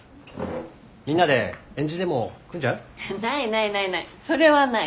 みんなで円陣でも組んじゃう？ない